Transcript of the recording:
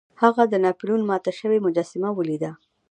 هغه د ناپلیون ماته شوې مجسمه ولیده.